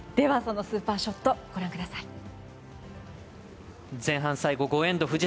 そのスーパーショットご覧ください。